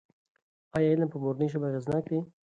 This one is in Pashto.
ایا علم په مورنۍ ژبه اغېزناک دی؟